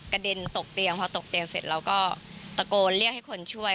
เด็นตกเตียงพอตกเตียงเสร็จเราก็ตะโกนเรียกให้คนช่วย